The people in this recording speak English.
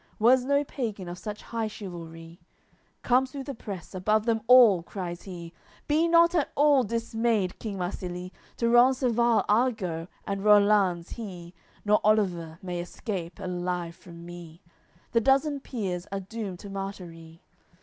Was no pagan of such high chivalry. Comes through the press, above them all cries he, "Be not at all dismayed, King Marsilie! To Rencesvals I go, and Rollanz, he Nor Oliver may scape alive from me; The dozen peers are doomed to martyry.